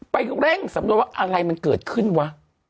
เร่งสำนวนว่าอะไรมันเกิดขึ้นวะ